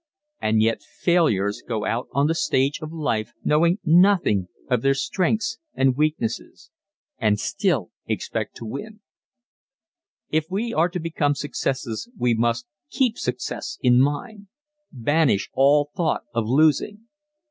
And yet failures go out on the stage of life knowing nothing of their strengths and weaknesses and still expect to win! If we are to become successes we must keep success in mind banish all thought of losing.